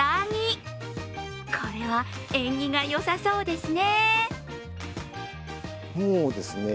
これは縁起がよさそうですね。